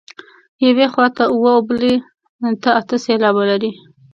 یوې خوا ته اووه او بلې ته اته سېلابه لري.